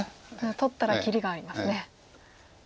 取ったら切りがありますね。